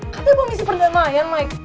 katanya gue misi perdamaian maik